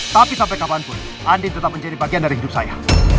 tapi sampai kapanpun andi tetap menjadi bagian dari hidup saya